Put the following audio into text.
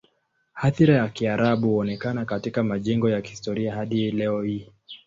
Athira ya Kiarabu huonekana katika majengo ya kihistoria hadi leo hii.